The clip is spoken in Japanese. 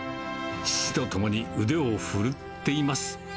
父と共に腕を振るっています。